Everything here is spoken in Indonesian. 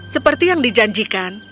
seperti yang dijanjikan